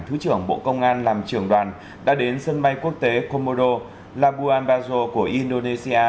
thứ trưởng bộ công an làm trưởng đoàn đã đến sân bay quốc tế comoro labuan bajo của indonesia